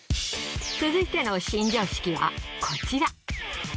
続いての新常識はこちら。